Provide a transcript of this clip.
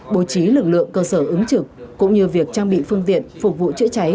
bố trí lực lượng cơ sở ứng trực cũng như việc trang bị phương viện phục vụ cháy cháy